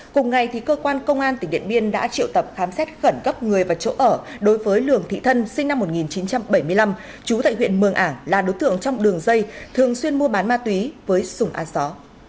cùng ngày cơ quan công an tỉnh điện biên đã triệu tập khám xét khẩn cấp người và chỗ ở đối với lường thị thân sinh năm một nghìn chín trăm bảy mươi năm chú tại huyện mường ảng là đối tượng trong đường dây thường xuyên mua bán ma túy với sùng a só